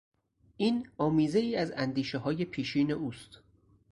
این آمیزهای از اندیشههای پیشین اوست.